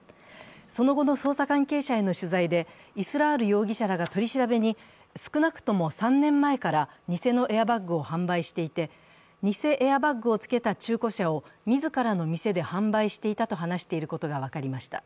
その後の捜査関係者への取材でイスラール容疑者らが取り調べに少なくとも３年前から、偽のエアバッグを販売していて偽エアバッグをつけた中古車を自らの店で販売していたと話していることが分かりました。